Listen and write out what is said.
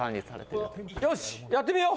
よしっやってみよう！